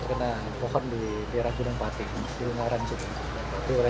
kena pohon di daerah gunung pati ungaran dan sumatera